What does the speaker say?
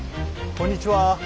こんにちは。